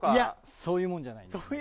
そういうもんじゃないですか。